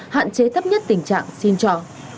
hạn chế thấp nhất tình trạng xin cho